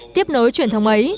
tiếp nối truyền thống ấy